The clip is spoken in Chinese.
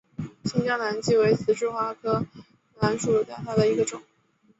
新疆南芥为十字花科南芥属下的一个种。